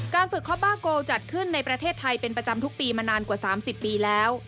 ฝึกคอบ้าโกจัดขึ้นในประเทศไทยเป็นประจำทุกปีมานานกว่า๓๐ปีแล้ว